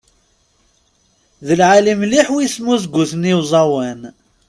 D lεali mliḥ w' ismuzegten i uẓawan.